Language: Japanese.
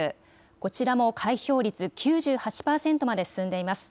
こちらも開票率９８％まで進んでいます。